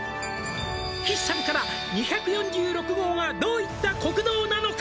「岸さんから２４６号がどういった国道なのか」